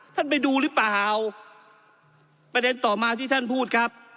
ท่านไปดูหรือเปล่าประเด็นต่อมาที่ท่านพูดครับ